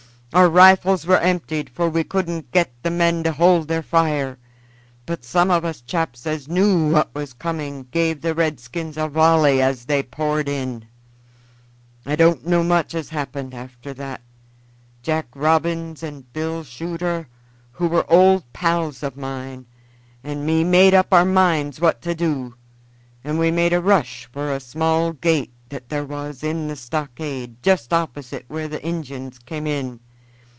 Our rifles were emptied, for we couldn't get the men to hold their fire, but some of us chaps as knew what was coming gave the redskins a volley as they poured in. "I don't know much as happened after that. Jack Robins and Bill Shuter, who were old pals of mine, and me made up our minds what to do, and we made a rush for a small gate that there was in the stockade, just opposite where the Injuns came in.